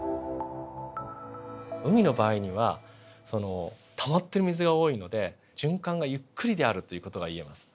海の場合にはたまっている水が多いので循環がゆっくりであるという事がいえます。